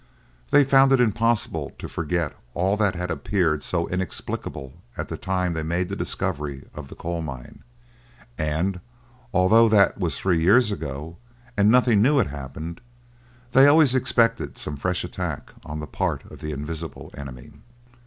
They found it impossible to forget all that had appeared so inexplicable at the time they made the discovery of the coal mine; and although that was three years ago, and nothing new had happened, they always expected some fresh attack on the part of the invisible enemy.